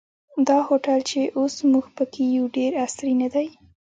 دا هوټل چې اوس موږ په کې یو ډېر عصري نه دی.